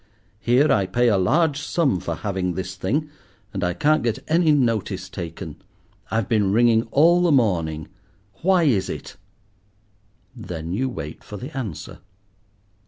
Here I pay a large sum for having this thing, and I can't get any notice taken. I've been ringing all the morning. Why is it?" Then you wait for the answer.